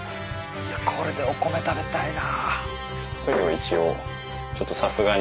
いやこれでお米食べたいな。